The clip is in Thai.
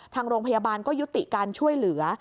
ทางโรงพยาบาลก็ยุติการช่วยเหลือ